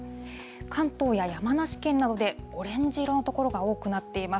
関東や山梨県などでオレンジ色の所が多くなっています。